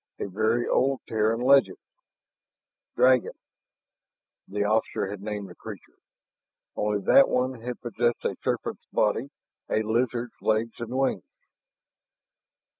A very old Terran legend "Dragon," the officer had named the creature. Only that one had possessed a serpent's body, a lizard's legs and wings.